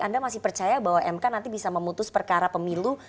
anda masih percaya bahwa mk nanti bisa memutus perkara pemilu